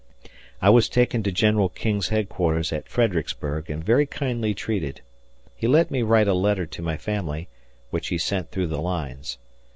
I was taken to General King's headquarters at Fredericksburg and very kindly treated. He let me write a letter to my family, which he sent through the lines.